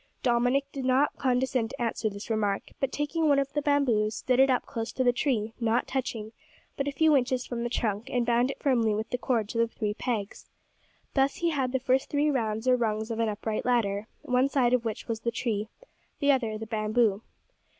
Dominick did not condescend to answer this remark, but, taking one of the bamboos, stood it up close to the tree, not touching, but a few inches from the trunk, and bound it firmly with the cord to the three pegs. Thus he had the first three rounds or rungs of an upright ladder, one side of which was the tree, the other the bamboo.